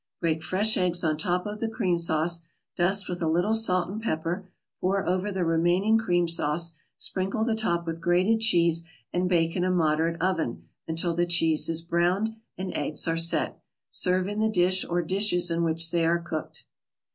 Break fresh eggs on top of the cream sauce, dust with a little salt and pepper, pour over the remaining cream sauce, sprinkle the top with grated cheese, and bake in a moderate oven until the cheese is browned and eggs are "set." Serve in the dish or dishes in which they are cooked.